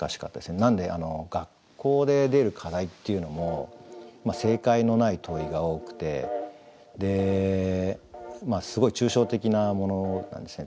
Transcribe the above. なんで学校で出る課題っていうのも正解のない問いが多くてすごい抽象的なものなんですね。